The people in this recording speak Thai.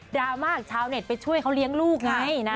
ราม่าชาวเน็ตไปช่วยเขาเลี้ยงลูกไงนะ